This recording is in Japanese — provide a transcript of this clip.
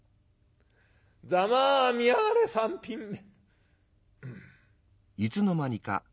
ざまあみやがれ三ピンめ」。